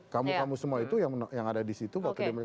kamu kamu semua itu yang ada di situ